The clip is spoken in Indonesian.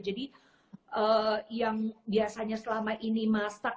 jadi yang biasanya selama ini masak